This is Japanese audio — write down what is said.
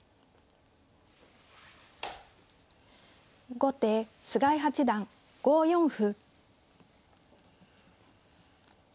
後手菅井八段５四歩。